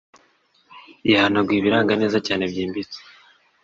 yahanaguye ibiranga neza cyane mbyibutse